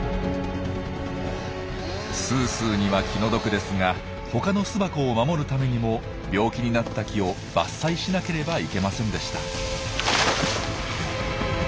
すーすーには気の毒ですが他の巣箱を守るためにも病気になった木を伐採しなければいけませんでした。